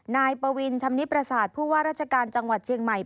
นายปวินชำนิประสาทผู้ว่าราชการจังหวัดเชียงใหม่